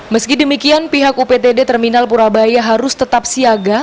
meski demikian pihak uptd terminal purabaya harus tetap siaga